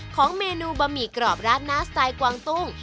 ของเมนูบะหมี่กรอบราดหน้าสไตล์กวางตุ้ง